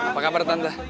apa kabar tante